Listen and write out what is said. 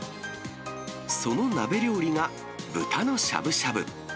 その鍋料理が豚のしゃぶしゃぶ。